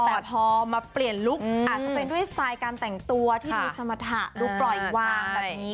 แต่พอมาเปลี่ยนลุคอาจจะเป็นด้วยสไตล์การแต่งตัวที่ดูสมรรถะดูปล่อยวางแบบนี้